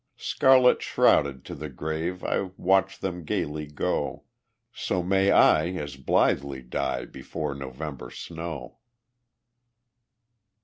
Scarlet shrouded to the grave I watch them gayly go; So may I as blithely die Before November snow.